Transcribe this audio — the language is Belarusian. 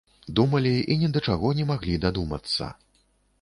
Думалі і ні да чаго не маглі дадумацца.